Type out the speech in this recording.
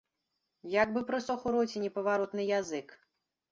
Як бы прысох у роце непаваротны язык.